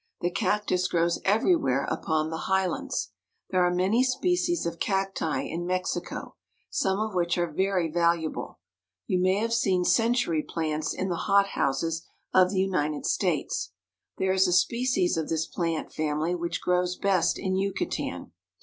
The cactus grows everywhere upon the highlands. There are many species of cacti in Mexico, some of which are very valu able. You may have seen century plants in the hothouses THE CACTI. 33S of the United States. There is a species of this plant family which grows best in Yucatan.